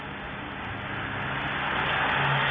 เฝ้ารับตรวจไม่เมื่อกี๊